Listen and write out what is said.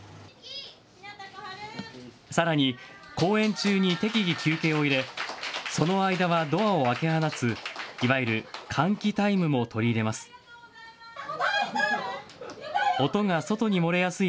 さらに公演中に適宜、休憩を入れその間はドアを開け放ついわゆる換気タイムも取り入れます。